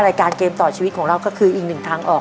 รายการเกมต่อชีวิตของเราก็คืออีกหนึ่งทางออก